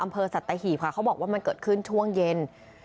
สัตหีบค่ะเขาบอกว่ามันเกิดขึ้นช่วงเย็น